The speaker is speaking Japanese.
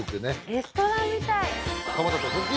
レストランみたい。